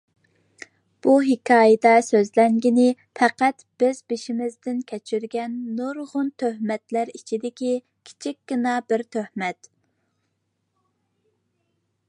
بۇ ھېكايىدە سۆزلەنگىنى پەقەت بىز بېشىمىزدىن كەچۈرگەن نۇرغۇن تۆھمەتلەر ئىچىدىكى كىچىككىنىلا بىر تۆھمەت.